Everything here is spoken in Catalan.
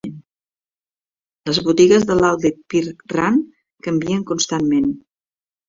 Les botigues de l'outlet Birch Run canvien constantment.